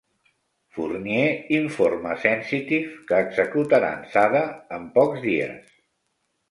Fournier informa Sensitive que executaran Sade en pocs dies.